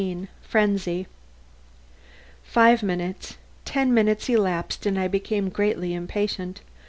XIX FRENZY Five minutes ten minutes elapsed and I became greatly impatient.